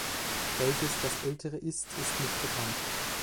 Welches das ältere ist, ist nicht bekannt.